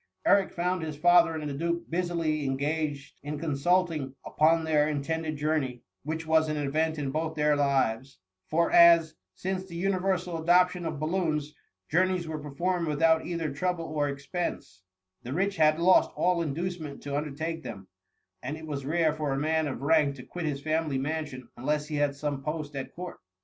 Edric found his father and the duke busily engaged in consulting upon their intended jour ney, which was an event in both their lives ; for as, since the universal adoption of balloons* journeys were performed without either trouble or expense, the rich had lost all inducement to undertake them, and it was rare for a man of rank to quit his family mansimi unless he had some post at court.